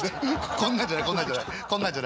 こんなじゃないこんなじゃない。